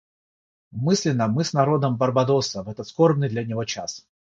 Мысленно мы с народом Барбадоса в этот скорбный для него час.